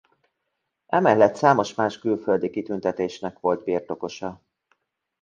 Emellett számos más külföldi kitüntetésnek volt birtokosa.